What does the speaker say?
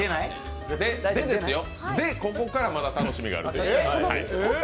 ここから、まだ楽しみがあると。